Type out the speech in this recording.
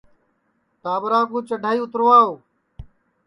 ٹاٻرا کُو چڈھائی اُتاریں